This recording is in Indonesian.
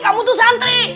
kamu tuh santri